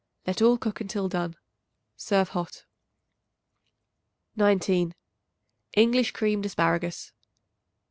Let all cook until done. Serve hot. 19. English Creamed Asparagus.